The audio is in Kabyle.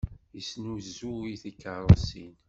Yesnuzuy tikeṛṛusin.